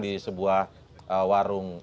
di sebuah warung